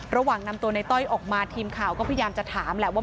ระหว่างนำตัวในต้อยออกมาทีมข่าวก็พยายามจะถามแหละว่า